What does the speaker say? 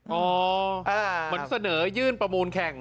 เหมือนเสนอยื่นประมูลแข่ง